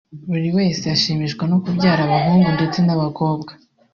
buri wese ashimishwa no kubyara bahungu ndetse n'abakobwa